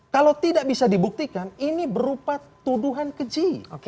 kalau tidak bisa dibuktikan ini berupa tuduhan keji